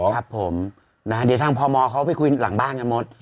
ครับผมเดี๋ยวทางพมเขาไปคุยหลังบ้านกันหมด